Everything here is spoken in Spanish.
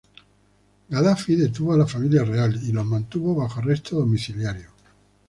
Gadafi detuvo a la Familia Real y los mantuvo bajo arresto domiciliario.